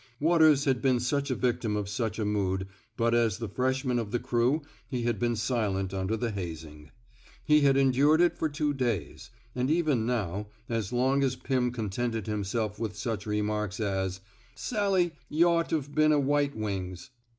Waters had been such a victim of such a mood, but as the freshman of the crew he had been silent under the hazing. He had endured it for two days; and even now, as long as Pim contented himself with such remarks as Sally, y' ought Ve been a white wings.